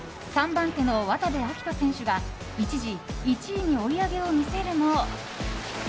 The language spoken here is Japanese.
３番手の渡部暁斗選手が一時、１位に追い上げを見せるも。